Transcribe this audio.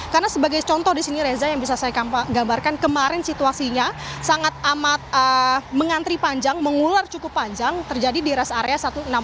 karena sebagai contoh disini reza yang bisa saya gambarkan kemarin situasinya sangat amat mengantri panjang mengular cukup panjang terjadi di ruas area satu ratus enam puluh enam